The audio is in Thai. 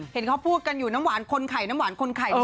เห็นเขาพูดกันอยู่น้ำหวานคนไข่น้ำหวานคนไข่